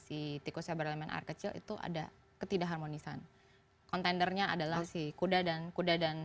si tikusnya berelemen air kecil itu ada ketidak harmonisan contendernya adalah si kuda dan